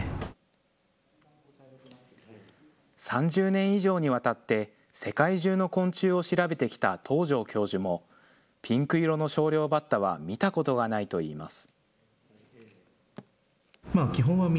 ３０年以上にわたって世界中の昆虫を調べてきた東城教授も、ピンク色のショウリョウバッタは見たことがないといいます。